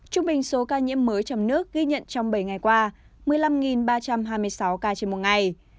trung bình số ca nhiễm mới trong nước ghi nhận trong bảy ngày qua một mươi năm ba trăm hai mươi sáu ca trên một ngày